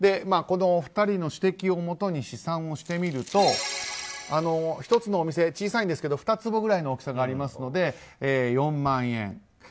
このお二人の指摘をもとに試算をしてみると１つのお店、小さいんですけど２坪ぐらいの大きさがありますので４万円。